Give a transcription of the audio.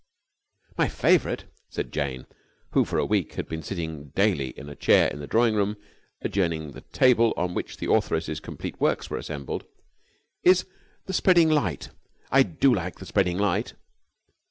"My favorite," said Jane, who for a week had been sitting daily in a chair in the drawing room adjoining the table on which the authoress's complete works were assembled, "is 'The Spreading Light.' I do like 'The Spreading Light!'"